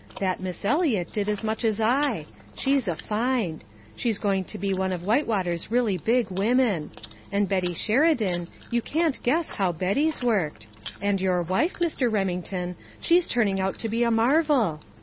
That Miss Eliot did as much as I she's a find she's going to be one of Whitewater's really big women. And Betty Sheridan, you can't guess how Betty's worked and your wife, Mr. Remington, she's turning out to be a marvel!